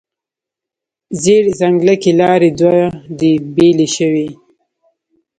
زیړ ځنګله کې لارې دوې دي، بیلې شوې